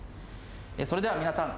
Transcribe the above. それでは皆さん。